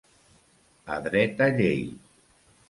A dreta llei.